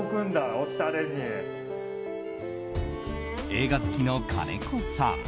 映画好きの金子さん。